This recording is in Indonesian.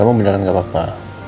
awas saja obviamente nggak apa apa